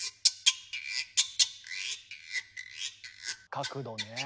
角度ね。